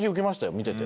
見てて。